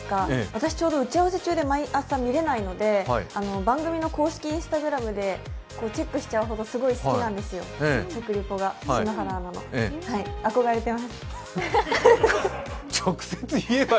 私ちょうど打ち合わせ中で毎日見れないので番組の公式Ｉｎｓｔａｇｒａｍでチェックしちゃうほどすごい好きなんですよ、篠原アナの食リポが。